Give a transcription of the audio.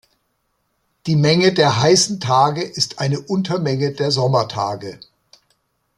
Die Menge der heißen Tage ist eine Untermenge der Sommertage.